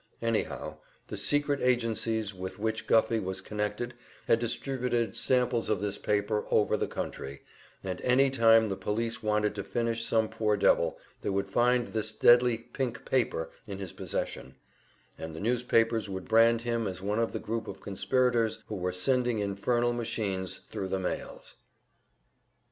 Anyhow, the secret agencies with which Guffey was connected had distributed samples of this paper over the country, and any time the police wanted to finish some poor devil, they would find this deadly "pink paper" in his possession, and the newspapers would brand him as one of the group of conspirators who were sending infernal machines thru the mails.